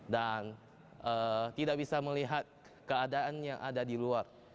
dan tidak bisa melihat keadaan yang ada di luar